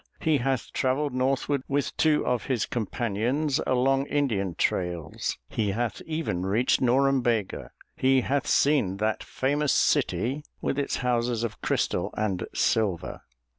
He hath travelled northward with two of his companions along Indian trails; he hath even reached Norumbega; he hath seen that famous city with its houses of crystal and silver."